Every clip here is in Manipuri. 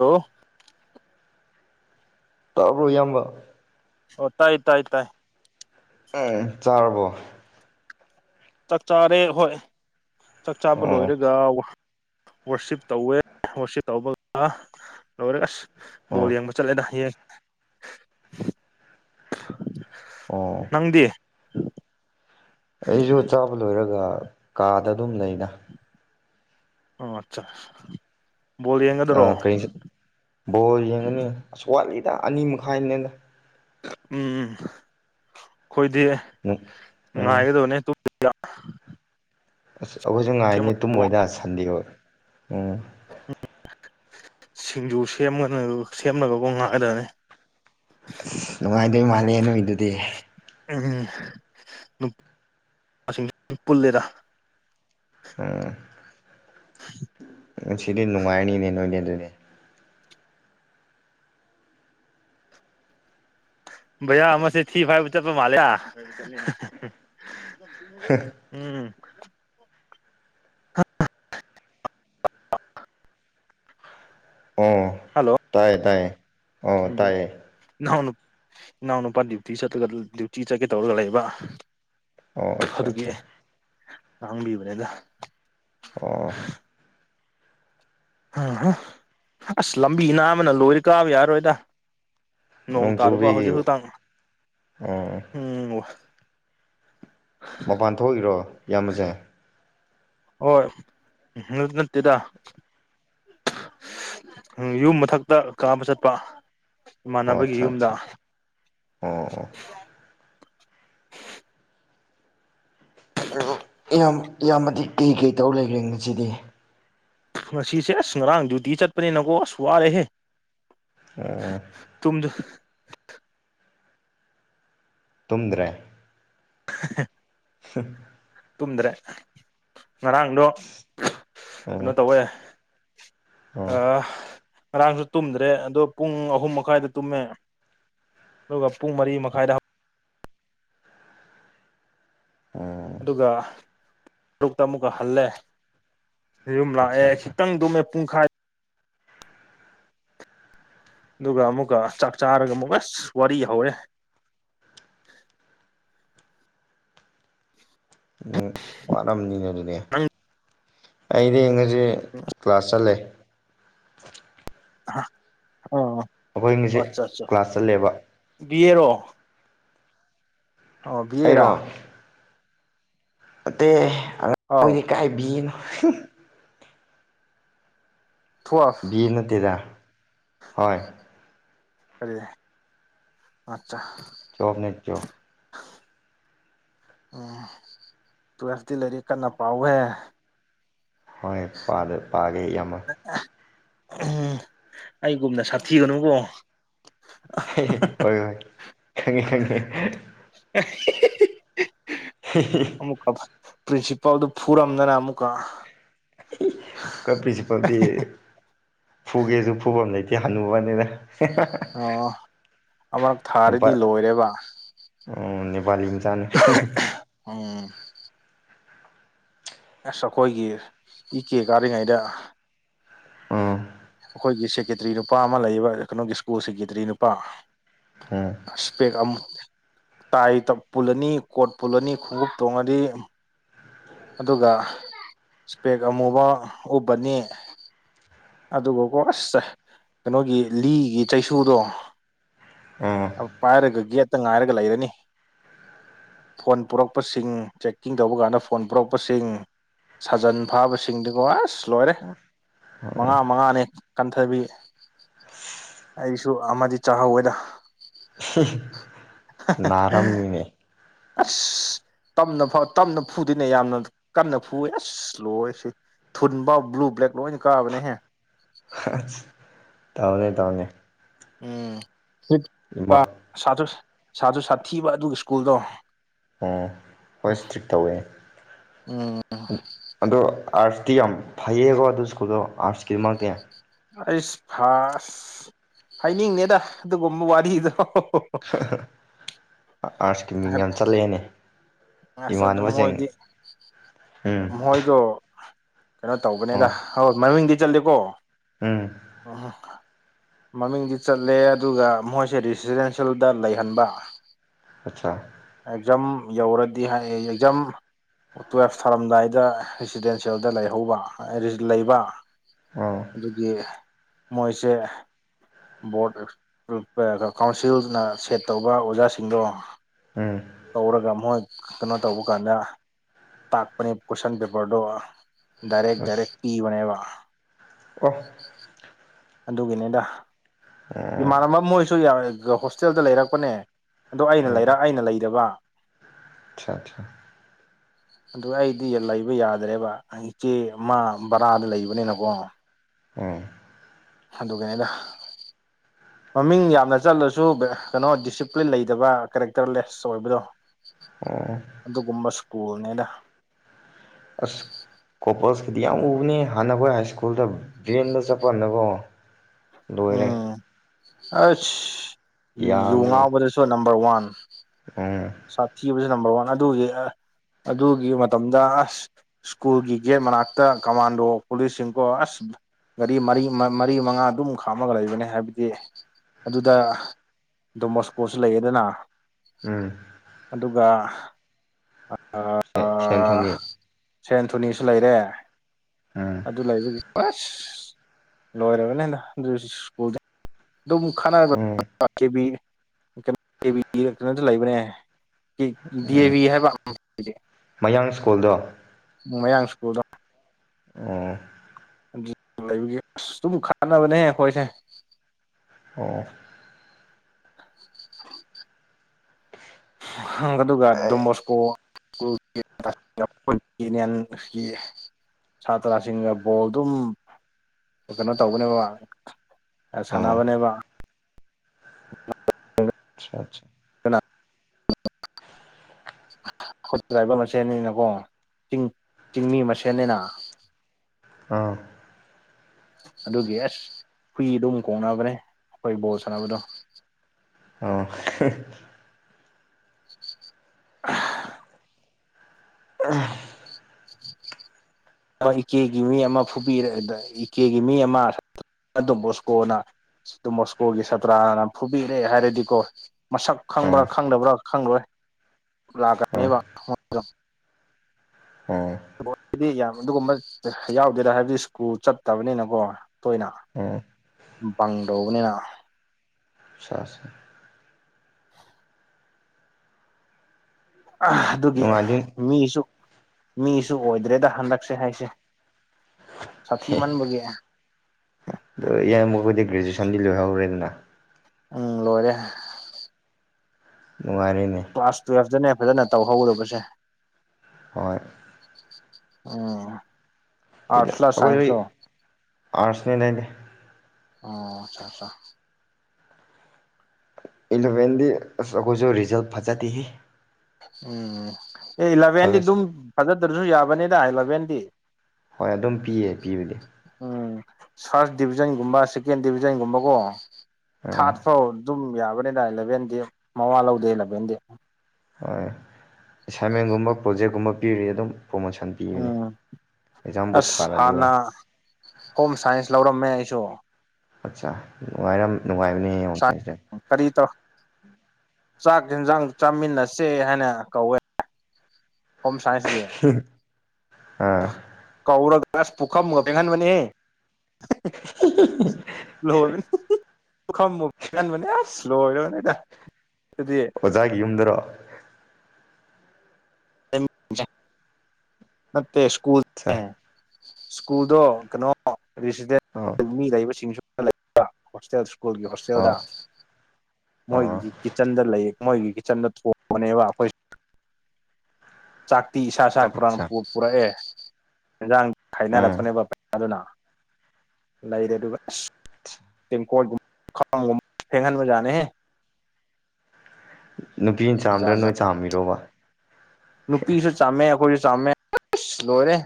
ꯍꯜꯂꯣ ꯇꯥꯕ꯭ꯔꯣ ꯏꯌꯥꯝꯕ ꯑꯣ ꯇꯥꯏ ꯇꯥꯏ ꯇꯥꯏ ꯎꯝ ꯆꯥꯔꯕꯣ ꯆꯥꯛ ꯆꯥꯔꯦ ꯍꯣꯏ ꯆꯥꯛ ꯆꯥꯕ ꯑꯣ ꯂꯣꯏꯔꯒ ꯋꯥꯔꯁꯤꯞ ꯇꯧꯋꯦ ꯋꯥꯔꯁꯤꯞ ꯇꯧꯕꯒ ꯂꯣꯏꯔꯦ ꯑꯁ ꯕꯣꯜ ꯑꯣ ꯌꯦꯡꯕ ꯆꯠꯂꯦꯗ ꯌꯦꯡ ꯑꯣ ꯅꯪꯗꯤ ꯑꯩꯁꯨ ꯆꯥꯕ ꯂꯣꯏꯔꯒ ꯀꯥꯗ ꯑꯗꯨꯝ ꯂꯩꯅ ꯑꯣ [unintelligible] ꯕꯣꯜ ꯌꯦꯡꯒꯗ꯭ꯔꯣ ꯀꯔꯤ ꯕꯣꯜ ꯌꯦꯡꯉꯅꯤ ꯑꯁ ꯋꯥꯠꯂꯤꯗ ꯑꯅꯤ ꯃꯈꯥꯏꯅꯦꯗ ꯎꯝ ꯑꯩꯈꯣꯏꯗꯤ ꯎꯝ ꯉꯥꯏꯒꯗꯧꯅꯦ ꯇꯨꯡ [inaudible] ꯑꯁ ꯑꯩꯈꯣꯏꯁꯨ ꯉꯥꯏꯅꯤ ꯇꯨꯝꯃꯣꯏꯗ ꯁꯟꯗꯦ [unintelligible] ꯎꯝ ꯁꯤꯡꯖꯨ ꯁꯦꯝꯃ [unintelligible] ꯅꯨꯡꯉꯥꯏꯗꯣꯏ ꯃꯥꯜꯂꯦ ꯅꯣꯏꯗꯨꯗꯤ ꯎꯝ [unintelligible] ꯄꯨꯟꯂꯦꯗ [unintelligible] ꯉꯁꯤꯗꯤ ꯅꯨꯡꯉꯥꯏꯅꯤꯅꯦ ꯅꯣꯏꯗꯤ ꯑꯗꯨꯗꯤ ꯚꯩꯌꯥ ꯑꯃ ꯁꯦ ꯊꯤ ꯐꯥꯏ ꯆꯠꯄ ꯃꯥꯜꯂꯦꯗ [unintelligible] ꯎꯝ [inaudible] ꯑꯣ ꯇꯥꯏꯌꯦ ꯇꯥꯏꯌꯦ ꯑꯣ ꯌꯨꯝ ꯂꯩ ꯇꯥꯏꯌꯦ ꯏꯅꯥꯎꯅꯨ ꯏꯅꯥꯎ ꯅꯨꯄꯥ ꯗ꯭ꯌꯨꯇꯤ [unintelligible] ꯗ꯭ꯌꯨꯇꯤ ꯆꯠꯀꯦ ꯇꯧꯔꯒ ꯂꯩꯕ ꯑꯣ ꯑꯠꯆꯥ ꯑꯗꯨꯒꯤ ꯑꯠꯆꯥ ꯉꯥꯡꯕꯤꯕꯅꯦꯗ ꯑꯣ [unintelligible] ꯑꯁ ꯂꯝꯕꯤ ꯅꯥꯟꯕꯅ ꯂꯣꯏꯔꯦ ꯀꯥꯕ ꯌꯥꯔꯔꯣꯏꯗ ꯅꯣꯡ ꯇꯔꯨꯕ ꯍꯧꯖꯤꯛ ꯈꯇꯪ ꯑꯣ [unintelligible] ꯃꯄꯥꯟ ꯊꯣꯛꯏꯔꯣ ꯏꯌꯥꯝꯕꯁꯦ ꯍꯣꯏ [unintelligible] ꯅꯠꯇꯦꯗ ꯌꯨꯝ ꯃꯊꯛꯇ ꯀꯥꯕ ꯆꯠꯄ ꯑꯣ ꯏꯃꯥꯟꯅꯕꯒꯤ ꯑꯠꯆꯥ ꯌꯨꯝꯗ ꯑꯠꯆꯥ ꯑꯣ ꯑꯣ [unintelligible] ꯏꯌꯥꯝ ꯏꯌꯥꯝꯕꯗꯤ ꯀꯩ ꯀꯩ ꯇꯧ ꯂꯩꯒ꯭ꯔꯦ ꯉꯁꯤꯗꯤ ꯉꯁꯤꯁꯦ ꯑꯁ ꯉꯔꯥꯡ ꯗ꯭ꯌꯨꯇꯤ ꯆꯠꯄꯅꯤꯅꯀꯣ ꯑꯁ ꯋꯥꯔꯦꯍꯦ ꯑꯣ ꯇꯨꯝꯗ ꯇꯨꯝꯗ꯭ꯔꯦ [unintelligible] [unintelligible] ꯇꯨꯝꯗ꯭ꯔꯦ ꯉꯔꯥꯡꯗꯣ ꯑ ꯀꯩꯅꯣ ꯇꯧꯋꯦ ꯑꯣ ꯑꯥ ꯉꯔꯥꯡꯁꯨ ꯇꯨꯝꯗ꯭ꯔꯦ ꯑꯗꯣ ꯄꯨꯡ ꯑꯍꯨꯝ ꯃꯈꯥꯏꯗ ꯇꯨꯝꯃꯦ ꯑꯗꯨꯒ ꯄꯨꯡ ꯃꯔꯤ ꯃꯈꯥꯏꯗ ꯍꯧ ꯑꯣ ꯑꯗꯨꯒ ꯇꯔꯨꯛꯇ ꯑꯃꯨꯛꯀ ꯍꯜꯂꯦ ꯌꯨꯝ ꯑꯠꯆꯥ ꯂꯥꯛꯑꯦ ꯑꯠꯆꯥ ꯈꯤꯇꯪ ꯇꯨꯝꯃꯦ ꯄꯨꯡꯈꯥꯏ ꯑꯗꯨꯒ ꯑꯃꯨꯛꯀ ꯆꯥꯛ ꯆꯥꯔꯒ ꯑꯃꯨꯛ ꯑꯁ ꯋꯥꯔꯤ ꯍꯧꯔꯦ [unintelligible] ꯋꯥꯔꯝꯅꯤꯅꯦ ꯑꯗꯨꯗꯤ ꯅꯪ ꯑꯩꯗꯤ [unintelligible] ꯖꯤ ꯀ꯭ꯂꯥꯁ ꯆꯠꯂꯦ ꯑꯣ ꯑꯩꯈꯣꯏ ꯉꯁꯤ ꯀ꯭ꯂꯥꯁ ꯆꯠꯂꯦꯕ ꯕꯤ ꯌꯦ ꯔꯣ ꯑꯣ ꯕꯤ ꯑꯦ ꯑꯩꯔꯣ ꯔꯥ ꯑꯇꯩ ꯑꯥꯈꯣꯏꯗꯤ ꯑꯥꯎ ꯀꯥꯏ ꯕꯤ ꯑꯦ ꯅꯣ ꯇꯨꯋꯦꯜꯐ ꯕꯤ ꯑꯦ ꯅꯠꯇꯦꯗꯥ ꯍꯣꯏ ꯀꯔꯤ ꯑꯠꯆꯥ ꯆꯣꯝꯅꯦ ꯆꯣ ꯎꯝ ꯇꯨꯋꯦꯜ꯭ꯐꯇꯤ ꯂꯥꯏꯔꯤꯛ ꯀꯟꯅ ꯄꯥꯎꯍꯦ ꯍꯣꯏ ꯄꯥꯗꯦ ꯄꯥꯒꯦ ꯏꯌꯥꯝꯕ ꯑꯩꯒꯨꯝꯅ ꯁꯥꯊꯤꯒꯅꯨꯀꯣ ꯍꯣꯏ ꯍꯣꯏ ꯈꯪꯉꯦ ꯈꯪꯉꯦ [unintelligible] ꯍꯤ ꯍꯤ ꯑꯃꯨꯛꯀ ꯄ꯭ꯔꯤꯟꯁꯤꯄꯥꯜꯗꯨ ꯐꯨꯔꯝꯗꯅ ꯑꯃꯨꯛꯀ ꯑꯈꯣꯏ ꯄꯔꯤꯟꯁꯤꯄꯥꯜꯗꯤ ꯐꯨꯒꯦꯁꯨ ꯐꯨꯕꯝ ꯂꯩꯇꯦ ꯍꯅꯨꯕ ꯅꯤꯅ ꯑꯣ ꯑꯃꯔꯛ ꯊꯥꯔꯗꯤ ꯂꯣꯏꯔꯦꯕ ꯅꯦꯄꯥꯂꯤ ꯃꯆꯥꯅꯤ ꯎꯝ ꯑꯁ ꯑꯩꯈꯣꯏꯒꯤ ꯏ ꯀꯦ ꯀꯥꯔꯤꯉꯩꯗ ꯎꯝ ꯑꯩꯈꯣꯏꯒꯤ ꯁꯦꯀꯦꯇ꯭ꯔꯤ ꯅꯨꯄꯥ ꯑꯃ ꯂꯩꯌꯦꯕ ꯀꯩꯅꯣꯒꯤ ꯁ꯭ꯀꯨꯜ ꯁꯦꯀꯦꯇ꯭ꯔꯤ ꯅꯨꯄꯥ ꯎꯝ ꯏꯁꯄꯦꯛ ꯑꯃ ꯇꯥꯏ ꯄꯨꯜꯂꯅꯤ ꯀꯣꯠ ꯄꯨꯜꯂꯅꯤ ꯈꯣꯡꯎꯞ ꯇꯣꯡꯉꯗꯤ ꯑꯗꯨꯒ ꯏꯁꯄꯦꯛ ꯑꯃꯨꯕ ꯎꯞꯄꯅꯤ ꯑꯗꯨꯒꯥꯀꯣ ꯑꯁ ꯀꯩꯅꯣꯒꯤ ꯂꯤꯒꯤ ꯆꯩꯁꯨꯗꯣ ꯎꯝ ꯑꯝ ꯄꯥꯏꯔꯒ ꯒꯦꯠꯇ ꯉꯥꯏꯔꯒ ꯂꯩꯔꯅꯤ ꯐꯣꯟ ꯄꯨꯔꯛꯄꯁꯤꯡ ꯆꯦꯛꯀꯤꯡ ꯇꯧꯕ ꯀꯥꯟꯗ ꯐꯣꯟ ꯄꯨꯔꯛꯄꯁꯤꯡ ꯁꯥꯖꯟ ꯐꯥꯕꯁꯤꯡꯗꯤꯀꯣ ꯑꯁ ꯂꯣꯏꯔꯦ ꯃꯉꯥ ꯃꯉꯥꯅꯦ ꯀꯟꯊꯕꯤ ꯑꯩꯁꯨ ꯑꯃꯗꯤ ꯆꯥꯍꯧꯋꯦꯗ ꯅꯥꯔꯝꯅꯤꯅꯦ ꯑꯁ ꯇꯝꯅ ꯐꯥꯎ ꯇꯝꯅ ꯐꯨꯗꯤꯅꯦ ꯌꯥꯝꯅ ꯀꯟꯅ ꯐꯨꯋꯦ ꯑꯁ ꯂꯣꯏꯔꯦ ꯁꯤ ꯊꯨꯟꯕꯥꯎ ꯕ꯭ꯂꯨ ꯕ꯭ꯂꯦꯛ ꯂꯣꯏꯅ ꯀꯥꯕꯅꯦꯍꯦ [unintelligible] ꯇꯧꯅꯦ ꯇꯧꯅꯦ ꯎꯝ ꯏꯃꯣꯠ ꯁꯥꯇ꯭ꯔꯥ ꯁꯥꯇ꯭ꯔꯥ ꯁꯥꯊꯤꯕ ꯑꯗꯨꯒꯤ ꯁ꯭ꯀꯨꯜꯗꯣ ꯑꯣ ꯎꯝ ꯑꯗꯣ ꯑꯥꯔꯠ꯭ꯁꯇꯤ ꯌꯥꯝ ꯐꯩꯌꯦꯀꯣ ꯑꯗꯨ ꯁ꯭ꯀꯨꯜꯗꯣ ꯑꯥꯔꯠ꯭ꯁꯀꯤꯗꯃꯛꯇꯤ ꯑꯩꯁ ꯐꯥꯁ ꯍꯥꯏꯅꯤꯡꯅꯦꯗ ꯑꯗꯨꯒꯨꯝꯕ ꯋꯥꯔꯤꯗꯣ [unintelligible] ꯑꯥꯔꯠ꯭ꯁꯀꯤ ꯃꯤꯡ ꯌꯥꯝ ꯆꯠꯂꯛꯑꯦꯅꯦ ꯑꯁ ꯑꯗꯨ ꯏꯃꯥꯟꯅꯕꯁꯤꯡ ꯃꯣꯏꯗꯤ ꯎꯝ ꯃꯣꯏꯗꯣ ꯀꯩꯅꯣ ꯇꯧꯕꯅꯦꯗ ꯑꯣ ꯍꯣ ꯃꯃꯤꯡꯗꯤ ꯆꯠꯂꯦꯀꯣ ꯎꯝ [unintelligible] ꯃꯃꯤꯡꯗꯤ ꯆꯠꯂꯦ ꯑꯗꯨꯒ ꯃꯣꯏꯁꯦ ꯔꯤꯁꯤꯗꯦꯟꯁꯌꯦꯜꯗ ꯂꯩꯍꯟꯕ ꯑꯆꯥꯥ ꯑꯦꯛꯖꯥꯝ ꯌꯧꯔꯗꯤ ꯍꯥꯏꯌꯦ ꯑꯦꯛꯖꯥꯝ ꯇꯨꯌꯦꯜꯐ ꯊꯥꯔꯝꯗꯥꯏꯗ ꯔꯤꯁꯤꯗꯦꯟꯁꯌꯦꯜꯗ ꯂꯩꯍꯧꯕ ꯂꯩꯕ ꯑꯣ ꯑꯗꯨꯒꯤ ꯃꯣꯏꯁꯦ ꯕꯣꯔꯗꯅ ꯀꯥꯎꯟꯁꯤꯜꯅ ꯁꯦꯠ ꯇꯧꯕ ꯑꯣꯖꯥꯁꯤꯡꯗꯣ ꯎꯝ ꯀꯧꯔꯒ ꯃꯣꯏ ꯀꯩꯅꯣ ꯇꯧꯕ ꯀꯥꯟꯗ ꯇꯥꯛꯄꯅꯦ ꯀꯣꯏꯁꯟ ꯄꯦꯄꯔꯗꯣ ꯗꯥꯏꯔꯦꯛ ꯗꯥꯏꯔꯦꯛ ꯑꯁ ꯄꯤꯕꯅꯦꯕ [unintelligible] ꯑꯗꯨꯒꯤꯅꯦꯗ ꯎꯝ ꯏꯃꯥꯟꯅꯕ ꯃꯣꯏꯁꯨ ꯍꯣꯁꯇꯦꯜꯗ ꯂꯩꯔꯛꯄꯅꯦ ꯑꯗꯣ ꯑꯩꯅ ꯂꯩꯔꯛ ꯑꯩꯅ ꯂꯩꯗꯕ ꯑꯆꯥ ꯑꯆꯥ ꯑꯗꯨ ꯑꯩꯗꯤ ꯂꯩꯕ ꯌꯥꯗ꯭ꯔꯦꯕ ꯏꯆꯦ ꯑꯃ ꯕꯔꯥꯗ ꯂꯩꯕꯅꯤꯅꯀꯣ ꯎꯝ ꯑꯗꯨꯒꯤꯅꯤꯗ ꯃꯃꯤꯡ ꯌꯥꯝꯅ ꯆꯠꯂꯁꯨ ꯀꯩꯅꯣ ꯗꯤꯁꯤꯄ꯭ꯂꯤꯟ ꯂꯩꯗꯕ ꯀꯦꯔꯦꯛꯇꯔꯂꯦꯁ ꯑꯣꯏꯕꯗꯣ ꯑꯣ ꯑꯗꯨꯒꯨꯝꯕ ꯁ꯭ꯀꯨꯜꯅꯤꯗ ꯀꯣꯞꯂꯁ ꯀꯤꯗꯤ ꯌꯥꯝ ꯎꯕꯅꯤ ꯍꯥꯟꯅ ꯑꯈꯣꯏ ꯍꯥꯏ ꯁ꯭ꯀꯨꯜꯗ ꯚꯦꯟꯗ ꯆꯠꯄꯅꯀꯣ ꯂꯣꯏꯔꯦ ꯎꯝ ꯑꯁ ꯌꯨ ꯉꯥꯎꯕꯗꯁꯨ ꯅꯝꯕꯔ ꯋꯥꯟ ꯑꯣ ꯁꯥꯊꯤꯕꯁꯨ ꯅꯝꯕꯔ ꯋꯥꯟ ꯑꯗꯨꯒꯤ ꯑ ꯑꯗꯨꯒꯤ ꯃꯇꯝꯗ ꯑꯁ ꯁ꯭ꯀꯨꯜꯒꯤ ꯒꯦꯠ ꯃꯅꯥꯛꯇ ꯀꯃꯥꯟꯗꯣ ꯄꯨꯂꯤꯁꯁꯤꯡꯀꯣ ꯑꯁ ꯒꯥꯔꯤ ꯃꯔꯤ ꯃꯔꯤ ꯃꯉꯥ ꯑꯗꯨꯝ ꯈꯥꯝꯃꯒ ꯂꯩꯕꯅꯤ ꯍꯥꯏꯕꯗꯤ ꯑꯗꯨꯗ ꯗꯣꯃꯕꯣꯁꯀꯣꯁꯨ ꯂꯩꯌꯦꯗꯅ ꯎꯝ ꯑꯗꯨꯒ ꯑꯥ ꯑꯥ ꯁꯦꯟꯊꯣꯅꯤ ꯁꯦꯟ ꯑꯦꯟꯊꯣꯅꯤꯁꯨ ꯂꯩꯔꯦ ꯎꯝ ꯑꯗꯨ ꯂꯩꯕꯒꯤ ꯑꯁ ꯂꯣꯏꯔꯕꯅꯦ ꯑꯗꯨ ꯁꯀꯨꯜ ꯑꯗꯨꯝ ꯈꯠꯅꯔꯒ um K V K V ꯀꯩꯅꯣꯗ ꯂꯩꯕꯅꯦ ꯗꯤ ꯑꯦ ꯎꯝ ꯚꯤ ꯍꯥꯏꯕ ꯃꯌꯥꯡ ꯁ꯭ꯀꯨꯜꯗꯣ ꯃꯌꯥꯡ ꯁ꯭ꯀꯨꯜꯗꯣ ꯑꯣ ꯑꯗꯨ ꯂꯩꯕꯒꯤ ꯑꯁ ꯗꯨꯝ ꯈꯠꯅꯕꯅꯦꯍꯦ ꯑꯈꯣꯏꯁꯦ ꯑꯣ [inaudible] ꯑꯗꯨꯒ ꯗꯣꯃꯕꯣꯁꯀꯣ [unintelligible] ꯁꯥꯇ꯭ꯔꯁꯤꯡꯒ ꯕꯣꯜ ꯑꯗꯨꯝ ꯀꯩꯅꯣ ꯇꯧꯕꯅꯦꯕ ꯑꯣ ꯁꯥꯟꯅꯕꯅꯦꯕ ꯑꯆꯥ ꯆꯥ [unintelligible] ꯗ꯭ꯔꯥꯏꯚꯔ ꯃꯁꯦꯟꯅꯤꯅꯀꯣ ꯆꯤꯡ ꯆꯤꯡꯃꯤ ꯃꯁꯦꯟꯅꯤꯅ ꯑꯥ ꯑꯗꯨꯒꯤ ꯑꯦꯁ ꯍꯨꯏ ꯑꯗꯨꯝ ꯀꯣꯡꯅꯕꯅꯦ ꯑꯩꯈꯣꯏ ꯕꯣꯜ ꯁꯥꯟꯅꯕꯗꯣ ꯑꯣ ꯍꯦ ꯑꯥꯍ ꯏꯀꯦꯒꯤ ꯃꯤ ꯑꯃ ꯐꯨꯕꯤꯔꯦ ꯗꯥꯗ ꯏꯀꯦꯒꯤ ꯃꯤ ꯑꯃ ꯑꯗꯨ ꯕꯣꯁꯀꯣꯅ ꯑꯗꯨꯃꯣꯁꯀꯣꯒꯤ ꯁꯥꯇ꯭ꯔꯥꯅ ꯐꯨꯕꯤꯔꯦ ꯍꯥꯏꯔꯗꯤꯀꯣ ꯃꯁꯛ ꯈꯪꯕ꯭ꯔꯥ ꯑꯥ ꯈꯪꯗꯕ꯭ꯔꯥ ꯈꯪꯔꯣꯏ ꯂꯥꯛ ꯑꯥ [unintelligible] ꯑꯣ [unintelligible] ꯌꯥꯝ ꯑꯗꯨꯒꯨꯝꯕ ꯌꯥꯎꯗꯦꯗ ꯍꯥꯏꯕꯗꯤ ꯁ꯭ꯀꯨꯜ ꯆꯠꯇꯕꯅꯤꯅꯀꯣ ꯇꯣꯏꯅ ꯑꯣ ꯚꯪ ꯇꯧꯕꯅꯤꯅ ꯁꯥꯥꯁꯥ ꯑꯥꯍ ꯑꯗꯨꯒꯤ ꯅꯨꯡꯉꯥꯏꯗꯤ ꯃꯤꯁꯨ ꯃꯤꯁꯨ ꯑꯣꯏꯗ꯭ꯔꯦꯗ ꯍꯟꯗꯛꯁꯦ ꯍꯥꯏꯁꯦ ꯁꯥꯊꯤꯃꯟꯕꯒꯤ ꯑꯗꯣ ꯏꯌꯥꯝꯕꯈꯣꯏꯗꯤ ꯒ꯭ꯔꯦꯖꯨꯌꯦꯁꯟꯗꯤ ꯂꯣꯏꯍꯧꯔꯦꯗꯅ ꯎꯝ ꯂꯣꯏꯔꯦ ꯅꯨꯡꯉꯥꯏꯔꯦꯅꯦ ꯀ꯭ꯂꯥꯁ ꯇꯨꯌꯦꯜꯞꯇꯅꯦ ꯐꯖꯅ ꯇꯧꯍꯧꯗꯧꯕꯁꯦ ꯍꯣꯏ ꯎꯝ ꯑꯥꯔꯠꯁ ꯂ ꯁꯥꯏꯟꯁ ꯂꯣ [unintelligible] ꯑꯥꯔꯠꯁꯅꯦ ꯑꯩꯗꯤ ꯑꯣ ꯑꯆꯥ ꯑꯆꯥ ꯏꯂꯚꯦꯟꯗꯤ ꯑꯁ ꯑꯈꯣꯏꯁꯨ ꯔꯤꯖꯜ ꯐꯖꯗꯦꯍꯦ ꯎꯝ ꯑꯦ ꯏꯂꯚꯦꯟꯗꯤ ꯁꯥꯔꯚꯤꯁ ꯑꯗꯨꯝ ꯐꯖꯗ꯭ꯔꯁꯨ ꯌꯥꯕꯅꯤꯗ ꯏꯂꯚꯦꯟꯗꯤ ꯍꯣꯏ ꯑꯗꯨꯝ ꯄꯤꯌꯦ ꯄꯤꯕꯗꯤ ꯎꯝ ꯐꯥꯔꯁ ꯗꯤꯕꯤꯖꯟꯒꯨꯝꯕ ꯁꯦꯀꯦꯟ ꯗꯤꯚꯖꯟꯒꯨꯝꯕꯀꯣ ꯎꯝ ꯊꯥꯔꯠ ꯐꯥꯎ ꯑꯗꯨꯝ ꯌꯥꯕꯅꯤꯗ ꯏꯂꯚꯦꯟꯗꯤ ꯃꯋꯥ ꯂꯧꯗꯦ ꯏꯂꯚꯦꯟꯗꯤ ꯍꯣꯏ ꯑꯦꯁꯥꯏꯟꯃꯦꯟꯒꯨꯝꯕ ꯄ꯭ꯔꯣꯖꯦꯛꯀꯨꯝꯕ ꯄꯤꯔꯤ ꯑꯗꯨꯝ ꯄ꯭ꯔꯣꯃꯣꯁꯟ ꯄꯤꯕꯅꯦ ꯎꯝ ꯑꯦꯛꯖꯥꯝꯕꯨ ꯑꯁ ꯊꯥꯔꯗꯤꯕ ꯍꯥꯟꯅ ꯍꯣꯝ ꯁꯥꯏꯟꯁ ꯂꯧꯔꯝꯃꯦ ꯑꯩꯁꯨ ꯑꯠꯆꯥꯥ ꯅꯨꯡꯉꯥꯏꯔꯝ ꯅꯨꯡꯉꯥꯏꯕꯅꯦ ꯍꯣꯝ ꯁꯥꯏꯟꯁꯗꯦ ꯀꯔꯤ ꯇꯧ ꯆꯥꯛ ꯌꯦꯟꯁꯥꯡ ꯆꯥꯃꯤꯟꯅꯁꯦ ꯍꯥꯏꯅ ꯀꯧꯋꯦ ꯍꯣꯝ ꯁꯥꯏꯟꯁꯒꯤ ꯍꯥꯍ ꯀꯧꯔꯒ ꯑꯁ ꯄꯨꯈꯝꯒ ꯐꯦꯡꯍꯟꯕꯅꯦꯍꯦ ꯂꯣꯏꯕꯅꯦ ꯄꯨꯈꯝꯕꯧ ꯐꯦꯡꯍꯟꯕꯅꯦ ꯑꯁ ꯂꯣꯏꯔꯕꯅꯦꯗ ꯑꯗꯨꯗꯤ ꯑꯣꯖꯥꯒꯤ ꯌꯨꯝꯗꯔꯣ [unintelligible] ꯅꯠꯇꯦ ꯑꯠꯆꯥ ꯁꯀꯨꯜꯅꯦ ꯁ꯭ꯀꯨꯜꯗꯣ ꯀꯩꯅꯣ ꯔꯦꯁꯤꯗꯦꯟ ꯑꯣ ꯃꯤ ꯂꯩꯕꯁꯤꯡꯁꯨ [unintelligible] ꯍꯣꯁꯇꯦꯜ ꯁ꯭ꯀꯨꯜꯒꯤ ꯑꯣ ꯍꯣꯁꯇꯦꯜꯗ ꯑꯣ ꯃꯣꯏꯒꯤ ꯀꯤꯠꯆꯟꯗ ꯂꯩ ꯃꯣꯏꯒꯤ ꯀꯤꯠꯆꯟꯗ ꯊꯣꯡ [unintelligible] ꯑꯩꯈꯣꯏ ꯆꯥꯛꯇꯤ ꯏꯁꯥ ꯏꯁꯥ ꯄꯨꯔꯥꯅ ꯑꯠꯆꯥ ꯄꯨꯔꯛꯑꯦ ꯌꯦꯟꯖꯥꯡ ꯎꯝ ꯈꯥꯏꯅꯔꯛꯄꯅꯦꯕ [unintelligible] ꯂꯩꯔꯦ ꯑꯗꯨꯒ ꯑꯁ [unintelligible] ꯐꯦꯡꯍꯟꯕꯖꯥꯠꯅꯦꯍꯦ ꯅꯨꯄꯤꯅꯥ ꯖꯥꯠ ꯆꯥꯝꯗ꯭ꯔꯥ ꯖꯥꯠ ꯅꯣꯏ ꯆꯥꯝꯃꯤꯔꯣꯕ ꯅꯨꯄꯤꯁꯨ ꯆꯥꯝꯃꯦ ꯑꯈꯣꯏꯁꯨ ꯆꯥꯝꯃꯦ ꯑꯁ ꯂꯣꯏꯔꯦ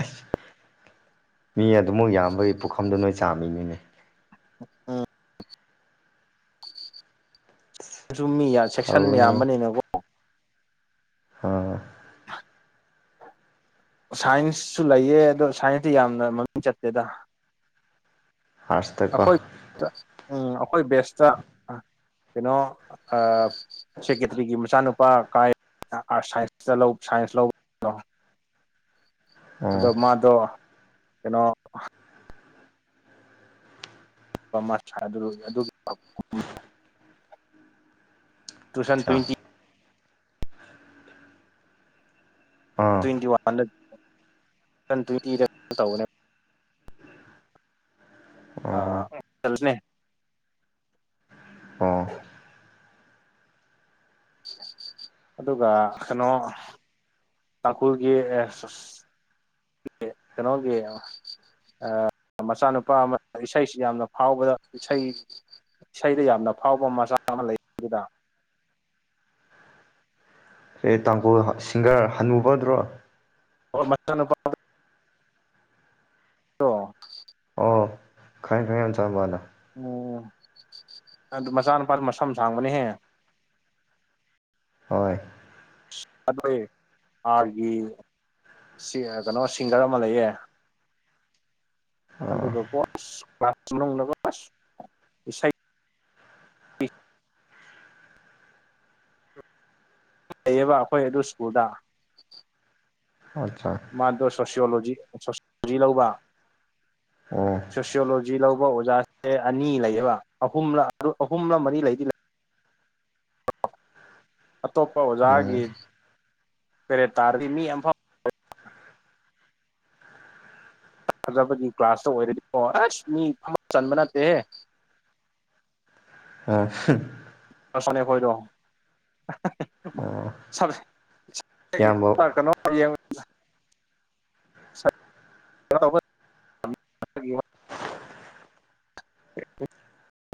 ꯑꯁ ꯃꯤ ꯑꯗꯨꯃꯛ ꯌꯥꯝꯕꯒꯤ ꯄꯨꯈꯝꯗꯣ ꯅꯣꯏ ꯆꯥꯝꯃꯤꯅꯤꯅꯦ ꯑꯝ ꯃꯤ ꯆꯦꯛꯁꯟ ꯇꯧꯕꯅꯤ ꯌꯥꯝꯕꯅꯤꯅ ꯍꯥ ꯁꯥꯏꯟꯁꯁꯨ ꯂꯩꯌꯦ ꯑꯗꯣ ꯁꯥꯏꯟꯁꯇꯤ ꯌꯥꯝꯅ ꯃꯃꯤꯡ ꯆꯠꯇꯦꯗ ꯐꯥꯔꯁꯇꯀꯣ ꯇꯥ ꯎꯝ ꯑꯈꯣꯏ ꯕꯦꯁꯇ ꯀꯩꯅꯣ ꯑꯥ ꯁꯦꯀꯦꯇ꯭ꯔꯤꯒꯤ ꯃꯆꯥꯅꯨꯄꯥ ꯀꯥꯏ ꯑ ꯑꯥꯔ ꯁꯥꯏꯟꯁ ꯇꯥ ꯂꯧ ꯁꯥꯏꯟꯁ ꯂꯧꯕꯗꯣ ꯑꯣ ꯑꯗꯣ ꯃꯥꯗꯣ ꯀꯩꯅꯣ [unintelligible] ꯇꯨꯁꯟ ꯑꯠꯆꯥ ꯐꯤꯗꯤ ꯑ ꯇ꯭ꯋꯦꯟꯇꯤ ꯋꯥꯟꯗ ꯇ꯭ꯋꯦꯟꯇꯤꯗ ꯇꯧꯕꯅꯦ ꯑꯣ ꯑꯥ [unintelligible] ꯑꯣ ꯑꯗꯨꯒ ꯀꯩꯅꯣ ꯇꯥꯡꯈꯨꯜꯒꯤ [unintelligible] ꯀꯅꯣꯒꯤ ꯑꯥ ꯃꯆꯥꯅꯨꯄꯥ ꯑꯃ ꯏꯁꯩꯁꯤ ꯌꯥꯝꯅ ꯐꯥꯎꯕꯗ ꯏꯁꯩ ꯏꯁꯩꯗ ꯌꯥꯝꯅ ꯐꯥꯎꯕ ꯃꯆꯥ ꯑꯃ ꯂꯩꯕꯗꯨꯅ ꯀꯩ ꯇꯥꯡꯈꯨꯜ ꯁꯤꯡꯒ꯭ꯔ ꯍꯅꯨꯕꯗꯨꯔꯣ ꯑꯣ ꯃꯆꯥ ꯅꯨꯨꯄꯥ ꯗꯣ ꯑꯣ ꯈꯪꯉꯦ ꯈꯪꯉꯦ ꯃꯆꯥꯅꯨꯄꯥꯗꯣ ꯎꯝ ꯑꯗꯨ ꯃꯆꯥꯅꯨꯄꯥ ꯃꯝꯁꯝ ꯁꯥꯡꯕꯅꯦꯍꯦ ꯍꯣꯏ ꯑꯗꯨ ꯑꯥꯔꯒꯤ ꯀꯅꯣ ꯁꯤ ꯀꯅꯣ ꯁꯤꯡꯒ꯭ꯔ ꯑꯃ ꯂꯩꯌꯦ [inaudible] ꯑꯗꯨꯒ ꯀꯣ ꯑꯁ ꯀ꯭ꯂꯥꯁ ꯃꯅꯨꯡꯗꯀꯣ ꯂꯩꯌꯦꯕ ꯑꯩꯈꯣꯏ ꯑꯗꯨ ꯁ꯭ꯀꯨꯜꯗ ꯑꯆꯥ ꯃꯥꯗꯣ ꯁꯣꯁꯤꯌꯣꯂꯣꯖꯤ ꯁꯣꯁꯤꯌꯣꯂꯣꯖꯤ ꯂꯧꯕ ꯑꯣ ꯁꯣꯁꯤꯌꯣꯂꯣꯖꯤ ꯂꯧꯕ ꯑꯣꯖꯥꯁꯦ ꯑꯅꯤ ꯂꯩꯌꯦꯕ ꯑꯍꯨꯝꯂ ꯑꯍꯨꯝꯂ ꯃꯔꯤ ꯂꯩꯗꯤ ꯂꯩ ꯑꯇꯣꯞꯄ ꯑꯣꯖꯥꯒꯤ ꯎꯝ ꯄꯦꯔꯦꯠ ꯇꯥꯔꯗꯤ ꯃꯤ ꯑꯝꯐꯥꯎ ꯐꯖꯕꯒꯤ ꯀ꯭ꯂꯥꯁ ꯇꯥ ꯑꯣꯏꯔꯗꯤꯀꯣ ꯑꯁ ꯃꯤ ꯑꯝ ꯆꯟꯕ ꯅꯠꯇꯦꯍꯦ [unintelligible] ꯑ ꯁꯣꯅꯤꯌꯥ ꯈꯣꯏꯗꯣ [unintelligible] ꯑꯣ [unintelligible] ꯏꯌꯥꯝꯕ ꯍꯥ ꯀꯅꯣ [unintelligible] [unintelligible] [unintelligible]